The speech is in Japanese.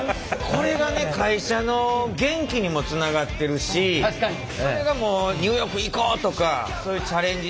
これが会社の元気にもつながってるしそれがニューヨーク行こうとかチャレンジ